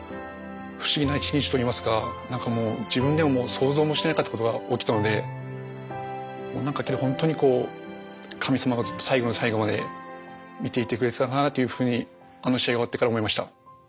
不思議な一日といいますか何かもう自分でももう想像もしてなかったことが起きたのでほんとに神様がずっと最後の最後まで見ていてくれてたかなというふうにあの試合が終わってから思いました。